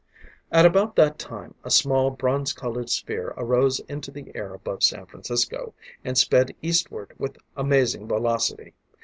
At about that time, a small, bronze colored sphere arose into the air above San Francisco, and sped eastward with amazing velocity.